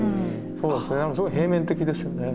そうですねすごい平面的ですよね。